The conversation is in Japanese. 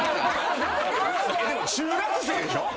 ・でも中学生でしょ？